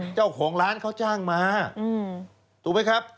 เจ้าของร้านเขาจ้างมาถูกไหมครับ